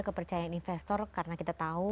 kepercayaan investor karena kita tahu